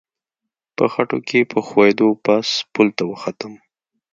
په خټو کې په ښویېدو پاس پل ته وختم.